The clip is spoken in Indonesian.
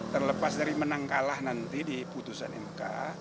terlepas dari menang kalah nanti di putusan mk